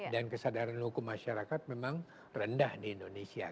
dan kesadaran hukum masyarakat memang rendah di indonesia